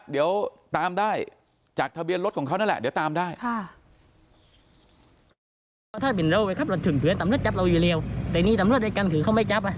เดี๋ยวตามได้จากทะเบียนรถของเขานั่นแหละเดี๋ยวตามได้